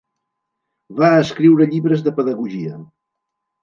Va escriure llibres de pedagogia.